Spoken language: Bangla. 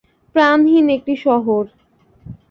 প্রাণহীন একটি শহর।